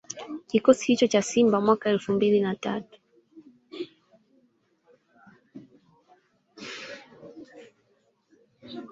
Kikosi hicho cha Simba mwaka elfu mbili na tatu